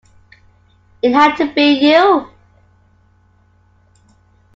It Had to Be You!